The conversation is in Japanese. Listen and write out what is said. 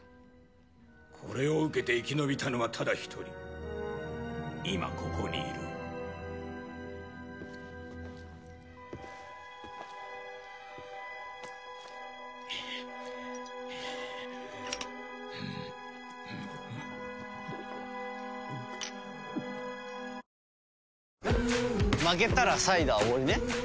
これを受けて生き延びたのはただ一人今ここにいる負けたらサイダーおごりね。